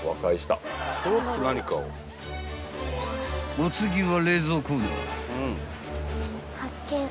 ［お次は］